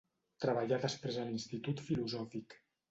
Treballà després a l'Institut Filosòfic.